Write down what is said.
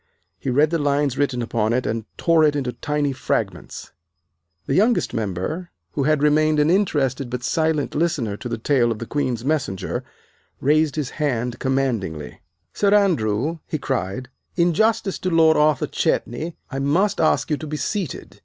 He read the lines written upon it and tore it into tiny fragments. The youngest member, who had remained an interested but silent listener to the tale of the Queen's Messenger, raised his hand commandingly. "Sir Andrew," he cried, "in justice to Lord Arthur Chetney I must ask you to be seated.